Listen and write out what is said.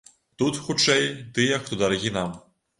Тут, хутчэй, тыя, хто дарагі нам.